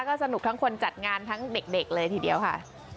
ก็สนุกทั้งคนจัดงานทั้งเด็กเลยทีเดียวค่ะ